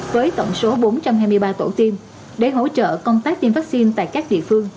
với tổng số bốn trăm hai mươi ba tổ tiêm để hỗ trợ công tác tiêm vaccine tại các địa phương